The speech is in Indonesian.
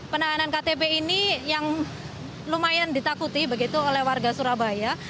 penahanan ktp ini yang lumayan ditakuti begitu oleh warga surabaya